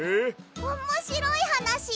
おもしろいはなし！？